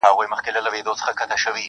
زوره وره هيبتناكه تكه توره-